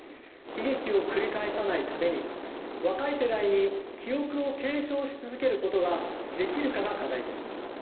悲劇を繰り返さないために若い世代に記憶を継承し続けることができるかが課題です。